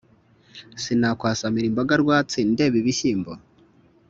sinakwasamira imboga rwatsi ndeba ibishyimbo?